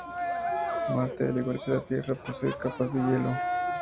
Marte, al igual que la Tierra, posee capas de hielo.